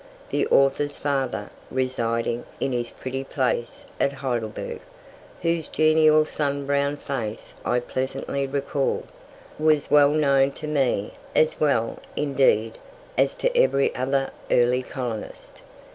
The author's father, residing in his pretty place at Heidelberg, whose genial sun browned face I pleasantly recall, was well known to me, as well, indeed, as to every other early colonist.